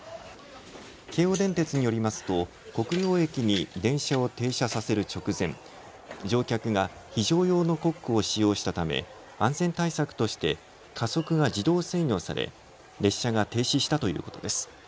京王電鉄によりますと国領駅に電車を停車させる直前、乗客が非常用のコックを使用したため安全対策として加速が自動制御され、列車が停止したということです。